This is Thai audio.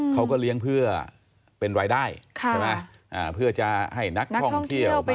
เขาก็เลี้ยงเพื่อเป็นรายได้